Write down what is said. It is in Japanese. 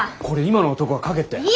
これ今の男が書けって？